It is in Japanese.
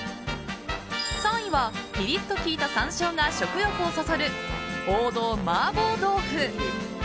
３位は、ピリッと効いた山椒が食欲をそそる王道、麻婆豆腐。